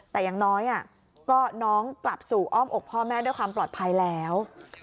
แต่อย่างน้อยก็น้องกลับสู่อ้อมอกพ่อแม่ด้วยความปลอดภัยแล้ว